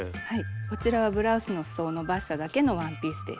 こちらはブラウスのすそをのばしただけのワンピースです。